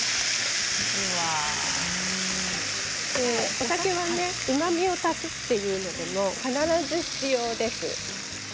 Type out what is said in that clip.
お酒はうまみを足すというので必ず必要です。